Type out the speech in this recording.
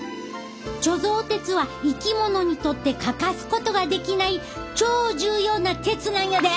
貯蔵鉄は生き物にとって欠かすことができない超重要な鉄なんやで！